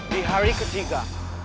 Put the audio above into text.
di hari ketiga